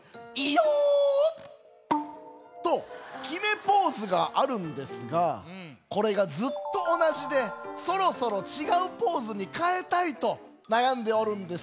ポン！ときめポーズがあるんですがこれがずっとおなじでそろそろちがうポーズにかえたいとなやんでおるんです。